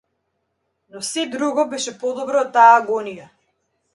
Но сѐ друго беш е подобро од таа агонија!